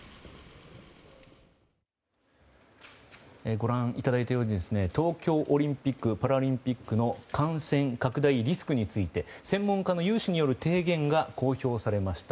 ご覧いただいたように東京オリンピック・パラリンピックの感染拡大リスクについて専門家の有志による提言が公表されました。